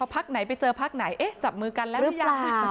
พักไหนไปเจอพักไหนเอ๊ะจับมือกันแล้วหรือเปล่า